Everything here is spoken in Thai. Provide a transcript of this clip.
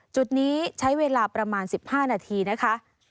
จุดนี้ใช้เวลาประมาณ๑๕นาทีนะคะ